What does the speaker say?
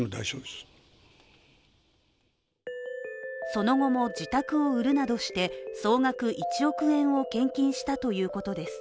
その後も自宅を売るなどして総額１億円を献金したということです。